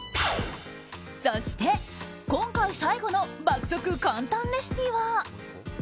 そして、今回最後の爆速簡単レシピは。